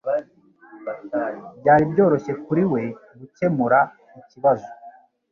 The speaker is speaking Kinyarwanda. Byari byoroshye kuri we gukemura ikibazo.